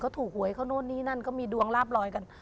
เขาถูกหวยเขานู่นนี่นั่นก็มีดวงลาบลอยกัน